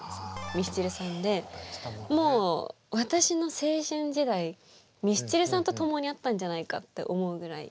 ミスチルさんでもう私の青春時代ミスチルさんと共にあったんじゃないかって思うぐらい。